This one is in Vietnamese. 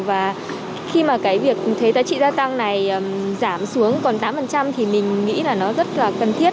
và khi mà cái việc thuế giá trị gia tăng này giảm xuống còn tám thì mình nghĩ là nó rất là cần thiết